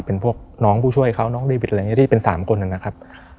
เป็นพวกน้องผู้ช่วยเขาน้องรีวิทอะไรอย่างนี้ที่เป็น๓คนนะครับ